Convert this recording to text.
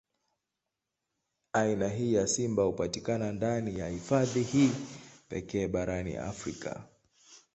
Aina hii ya simba hupatikana ndani ya hifadhi hii pekee barani Afrika.